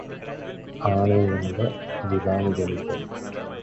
ஆனை உண்ட விளாங்கனி போல.